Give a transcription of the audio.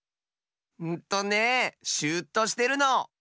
んとねシューッとしてるの！